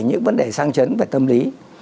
những vấn đề sang chấn về tâm lý